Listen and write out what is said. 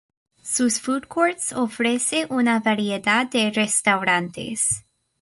Sus food courts ofrece una variedad de restaurantes.